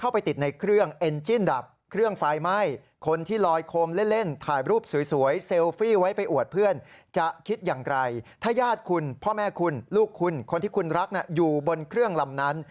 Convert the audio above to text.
พ่อแม่คุณลูกคุณคนที่คุณรักอยู่บนเครื่องลำนั้น